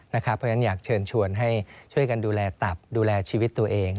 เพราะฉะนั้นอยากเชิญชวนให้ช่วยกันดูแลตับดูแลชีวิตตัวเอง